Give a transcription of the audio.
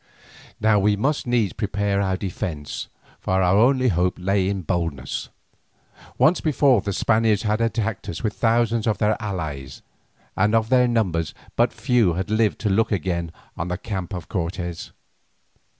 Now we must needs prepare our defence, for our only hope lay in boldness. Once before the Spaniards had attacked us with thousands of their allies, and of their number but few had lived to look again on the camp of Cortes.